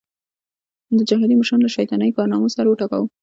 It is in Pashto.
د جهادي مشرانو له شیطاني کارنامو سر وټکاوه.